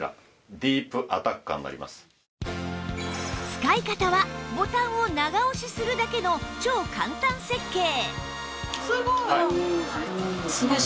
使い方はボタンを長押しするだけの超簡単設計